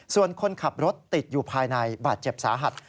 ส่วนคนขับรถติดอยู่ภายในบาดเจ็บสาหัส